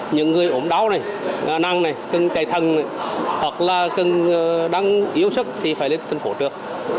những người ổn đau này năng này cần chạy thân hoặc là đang yếu sức thì phải lên tình phố trước